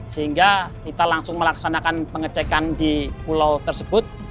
sehingga kita langsung melaksanakan pengecekan di pulau tersebut